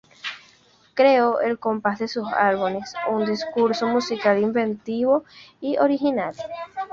Creó, al compás de sus álbumes, un discurso musical inventivo y original.